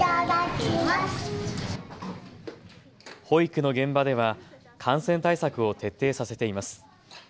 保育の現場では感染対策を徹底させています。